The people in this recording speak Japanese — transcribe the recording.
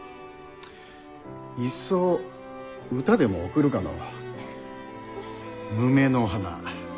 いっそ歌でも送るかのう。